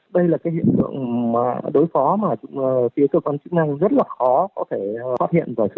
đây là hiện tượng đối phó mà phía cơ quan chức năng rất là khó có thể phát hiện và xử phạt